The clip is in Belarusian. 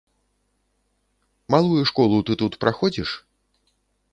Малую школу ты тут праходзіш?